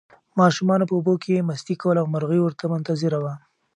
ماشومانو په اوبو کې مستي کوله او مرغۍ ورته منتظره وه.